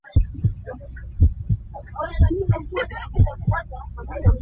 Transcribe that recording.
Na phaisa kuatmi ka hmu rih lo.